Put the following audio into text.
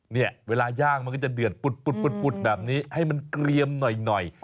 เนี่ยเวลาย่างมันก็จะเดือดปุดแบบนี้ให้มันเกลียมหน่อย